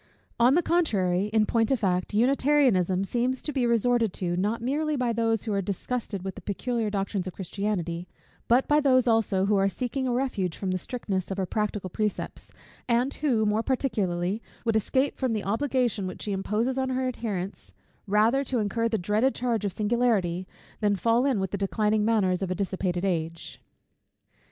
On the contrary, in point of fact, Unitarianism seems to be resorted to, not merely by those who are disgusted with the peculiar doctrines of Christianity; but by those also who are seeking a refuge from the strictness of her practical precepts; and who, more particularly, would escape from the obligation which she imposes on her adherents, rather to incur the dreaded charge of singularity, than fall in with the declining manners of a dissipated age.